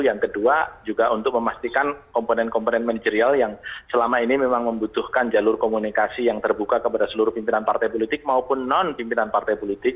yang kedua juga untuk memastikan komponen komponen manajerial yang selama ini memang membutuhkan jalur komunikasi yang terbuka kepada seluruh pimpinan partai politik maupun non pimpinan partai politik